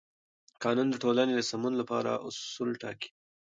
قانون د ټولنې د سمون لپاره اصول ټاکي.